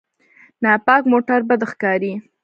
ناپاک موټر بد ښکاري.